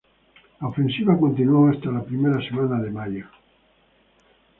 La ofensiva continuó hasta la primera semana de mayo.